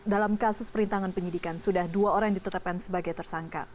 dalam kasus perintangan penyidikan sudah dua orang ditetapkan sebagai tersangka